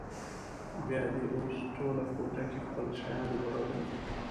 بیا دې اوس ټوله کوټه کې خپل شیان غوړولي.